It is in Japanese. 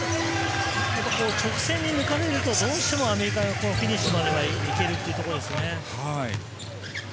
直線に抜かれるとどうしてもアメリカがフィニッシュまではいけるというところですね。